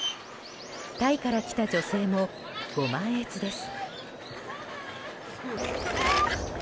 タイから来た女性もご満悦です。